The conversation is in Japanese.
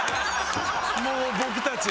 もう僕たち。